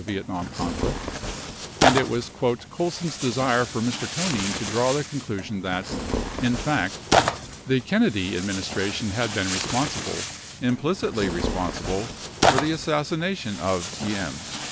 Vietnam conflict, and it was "Colson's desire for Mr. Conein to draw the conclusion that, in fact, the Kennedy administration had been responsible, implicitly responsible for the assassination of Diem."